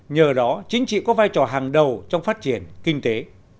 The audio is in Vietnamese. nhờ đó chính trị có vai trò hàng đầu trong phát triển kinh tế